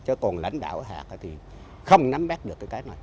chứ còn lãnh đạo hạt thì không nắm bét được cái cái này